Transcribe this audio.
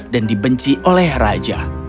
dan dibenci oleh raja